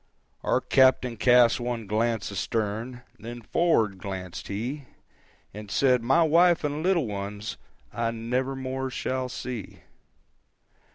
Our captain cast one glance astern, Then forward glancèd he, And said, "My wife and little ones I never more shall see."